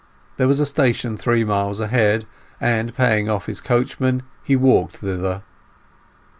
There was a station three miles ahead, and paying off his coachman, he walked thither.